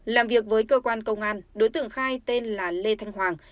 làm việc với cơ quan công an đối tượng khai tên là lê thanh hoàng